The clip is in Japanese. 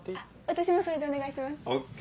私もそれでお願いします。ＯＫ！